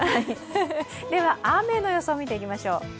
では雨の予想を見ていきましょう。